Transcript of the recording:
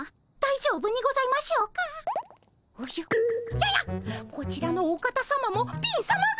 ややっこちらのお方さまも貧さまが。